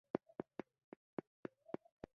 که په محیط کې غذایي مواد کم شي سپور جوړوي.